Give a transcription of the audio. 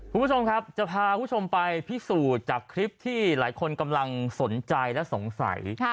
คุณผู้ชมครับจะพาคุณผู้ชมไปพิสูจน์จากคลิปที่หลายคนกำลังสนใจและสงสัย